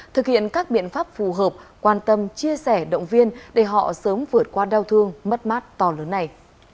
thực hiện các biện pháp phù hợp quan tâm chia sẻ động viên để họ sớm vượt qua đau thương mất mát to lớn này